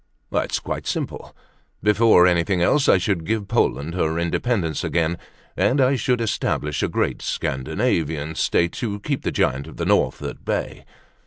"It's quite simple. Before anything else, I should give Poland her independence again, and I should establish a great Scandinavian state to keep the Giant of the North at bay.